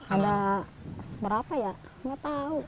ada seberapa ya gak tahu